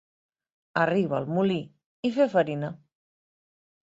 Arribar al molí i fer farina.